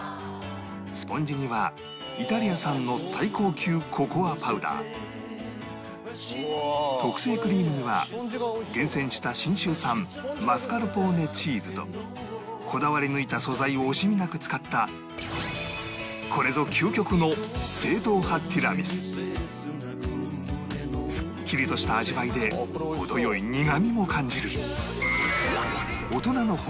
スポンジにはイタリア産の最高級ココアパウダー特製クリームには厳選した信州産マスカルポーネチーズとこだわり抜いた素材を惜しみなく使ったこれぞすっきりとした味わいで程良い苦みも感じる大人の本格ティラミス